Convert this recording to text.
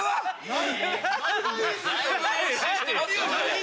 何？